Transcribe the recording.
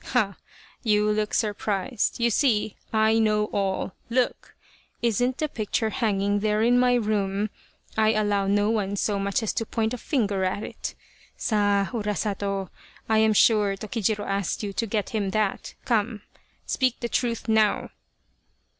Ha ! you look surprised. You see I know all. Look ! Isn't the picture hanging there in my room ? 1 allow no one so much as to point a finger at it Sa ! Urasato, I am sure Tokijiro asked you to get him that come speak the truth now